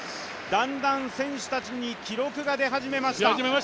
だんだん選手たちに記録が出始めました。